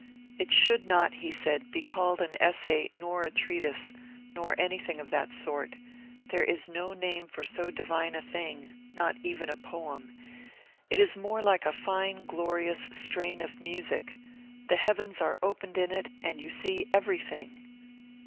^^ It should not,'* he said, be called an essay nor a treatise, nor anything of that sort ; there is no name for so divine a thing, — not even poem. It is more like a fine glorious strain of music. The heavens are opened in it, and you see everything."